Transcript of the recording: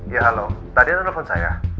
ya halo tadi ada telepon saya